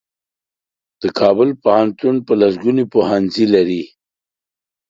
د کابل پوهنتون په لسګونو پوهنځۍ لري.